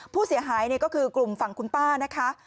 ผู้เสียหายก็คือกลุ่มฝั่งคุณป้านะคะ